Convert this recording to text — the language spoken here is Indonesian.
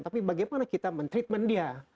tapi bagaimana kita men treatment dia